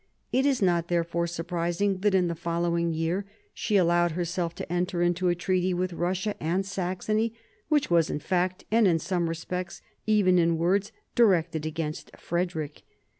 It is not therefore surprising that in the following year she allowed herself to enter into a treaty with Kussia and Saxony, which was in fact, and in some respects even in words, directed against Frederick.